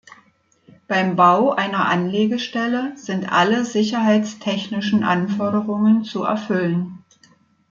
Beim Bau einer Anlegestelle sind alle sicherheitstechnischen Anforderungen zu erfüllen.